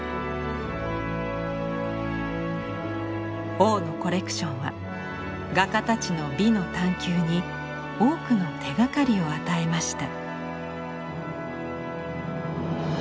王のコレクションは画家たちの美の探求に多くの手がかりを与えました。